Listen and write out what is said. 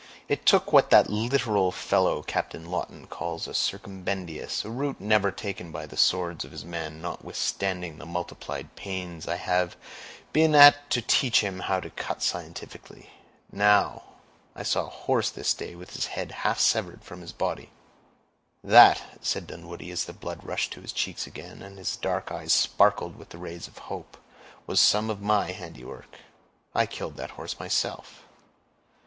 "It took what that literal fellow, Captain Lawton, calls a circumbendibus, a route never taken by the swords of his men, notwithstanding the multiplied pains I have been at to teach him how to cut scientifically. Now, I saw a horse this day with his head half severed from his body." "That," said Dunwoodie, as the blood rushed to his cheeks again, and his dark eyes sparkled with the rays of hope, "was some of my handiwork; I killed that horse myself."